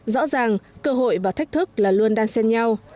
rõ ràng cơ hội và thách thức là luôn đang xen nhau